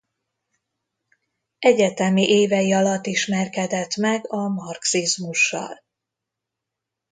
Egyetemi évei alatt ismerkedett meg a marxizmussal.